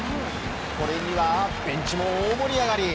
これにはベンチも大盛り上がり。